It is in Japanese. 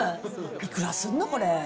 いくらすんのこれ。